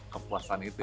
kepuasan itu ya